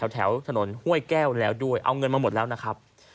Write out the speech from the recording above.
แถวถนนห้วยแก้วแล้วด้วยเอาเงินมาหมดแล้วนะครับ